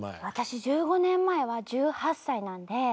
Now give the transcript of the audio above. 私１５年前は１８歳なんで。